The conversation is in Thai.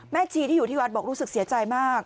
ชีที่อยู่ที่วัดบอกรู้สึกเสียใจมาก